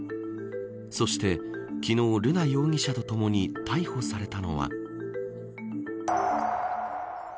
そして昨日、瑠奈容疑者と共に逮捕されたのは。